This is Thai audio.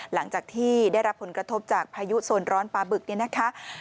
หลังจากที่ได้รับผลกระทบจากพายุโซนร้อนปลาบึกเนี่ยนะคะ